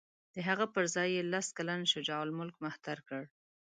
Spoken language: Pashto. د هغه پر ځای یې لس کلن شجاع الملک مهتر کړ.